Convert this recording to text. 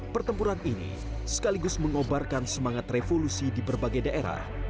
pertempuran ini sekaligus mengobarkan semangat revolusi di berbagai daerah